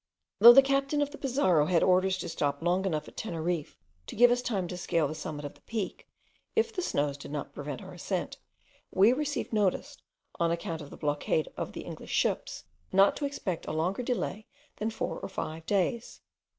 Though the captain of the Pizarro had orders to stop long enough at Teneriffe to give us time to scale the summit of the peak, if the snows did not prevent our ascent, we received notice, on account of the blockade of the English ships, not to expect a longer delay than four or five days.